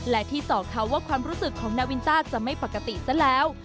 และที่ต่อเขาว่าความรู้สึกของนาวินต้าจะไม่ปกติซะแล้ว